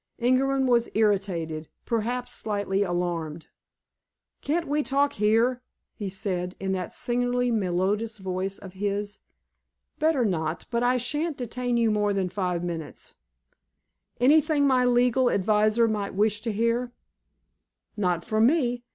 Ingerman was irritated—perhaps slightly alarmed. "Can't we talk here?" he said, in that singularly melodious voice of his. "Better not, but I shan't detain you more than five minutes." "Anything my legal adviser might wish to hear?" "Not from me.